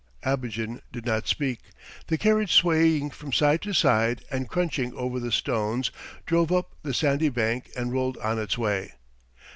Abogin did not speak. The carriage swaying from side to side and crunching over the stones drove up the sandy bank and rolled on its way.